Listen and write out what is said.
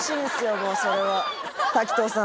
もうそれは滝藤さん